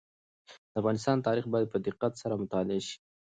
د افغانستان تاریخ باید په دقت سره مطالعه شي.